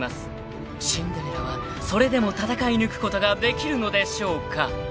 ［シンデレラはそれでも戦い抜くことができるのでしょうか］